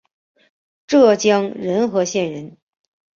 浙江仁和县人。